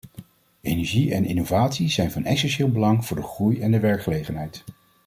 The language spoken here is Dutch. Energie en innovatie zijn van essentieel belang voor de groei en de werkgelegenheid.